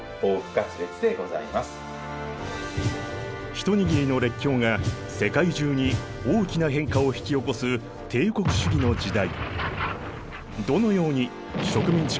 一握りの列強が世界中に大きな変化を引き起こす帝国主義の時代。